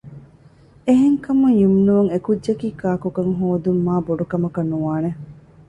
އެހެންކަމުން ޔުމްނުއަށް އެކުއްޖަކީ ކާކުކަން ހޯދުން މާ ބޮޑުކަމަކަށް ނުވާނެ